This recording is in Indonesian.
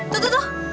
tuh tuh tuh